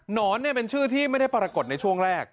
นอนเป็นชื่อที่ไม่ได้ปรากฏในช่วงแรก